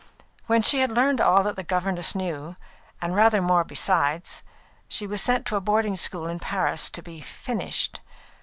When she had learned all that the governess knew, and rather more besides, she was sent to a boarding school in Paris to be "finished."